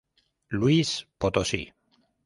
Luis Potosí.